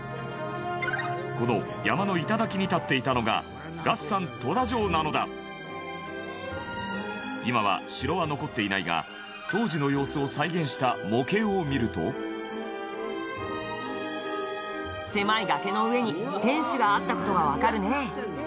この山の頂に立っていたのが月山富田城なのだ今は、城は残っていないが当時の様子を再現した模型を見ると狭い崖の上に天守があった事がわかるね